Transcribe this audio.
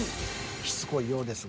しつこいようですが。